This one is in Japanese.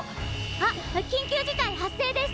あっ緊急事態発生です！